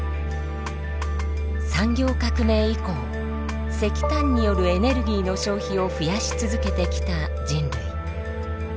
産業革命以降石炭によるエネルギーの消費を増やし続けてきた人類。